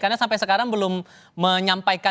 karena sampai sekarang belum menyampaikan